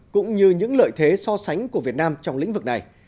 cũng như những lợi thế so sánh của việt nam trong lĩnh vực này